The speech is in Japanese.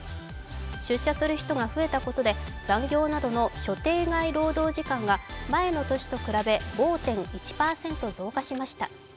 出社する人が増えたことで残業などの所定外労働時間が前の年と比べ５．１％増加しました。